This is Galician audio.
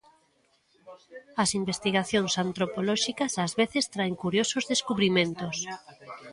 As investigacións antropolóxicas ás veces traen curiosos descubrimentos.